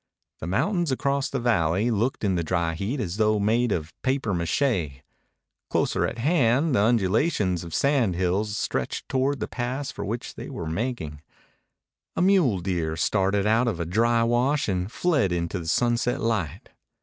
The mountains across the valley looked in the dry heat as though made of papier mâché. Closer at hand the undulations of sand hills stretched toward the pass for which they were making. A mule deer started out of a dry wash and fled into the sunset light.